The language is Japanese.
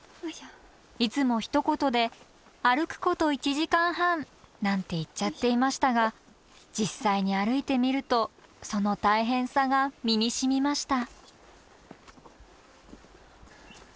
いつもひと言で「歩くこと１時間半」なんて言っちゃっていましたが実際に歩いてみるとその大変さが身にしみました